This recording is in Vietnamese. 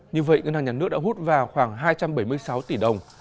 như vậy ngân hàng nhà nước đã hút vào khoảng hai trăm bảy mươi sáu tỷ đồng